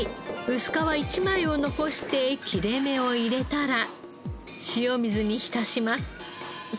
薄皮一枚を残して切れ目を入れたら塩水に浸します。